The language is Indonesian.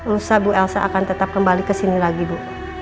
lusa ibu elsa akan tetap kembali kesini lagi ibu